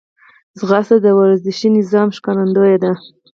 ځغاسته د ورزشي نظم ښکارندوی ده